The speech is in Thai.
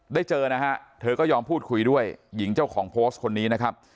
เจอนะฮะเธอก็ยอมพูดคุยด้วยหญิงเจ้าของโพสต์คนนี้นะครับ